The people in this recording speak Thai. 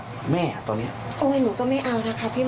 คือไม่ห่วงไม่หาวแล้วไป